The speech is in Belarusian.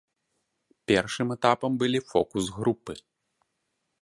Першым этапам былі фокус-групы.